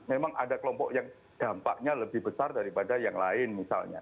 memang ada kelompok yang dampaknya lebih besar daripada yang lain misalnya